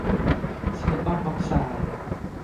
ซิลิกอนออกไซด์